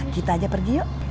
kita aja pergi yuk